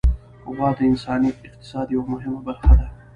غوا د انساني اقتصاد یوه مهمه برخه ده.